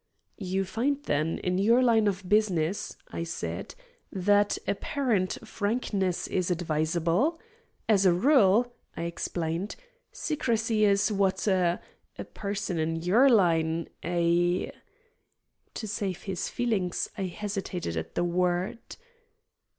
"You find, then, in your line of business," I asked, "that apparent frankness is advisable? As a rule," I explained, "secrecy is what a a person in your line a " To save his feelings I hesitated at the word.